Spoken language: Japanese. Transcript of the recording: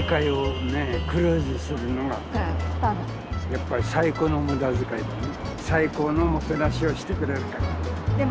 やっぱり「最高の無駄遣い」だね。